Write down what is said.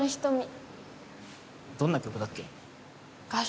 どんな曲だっけ？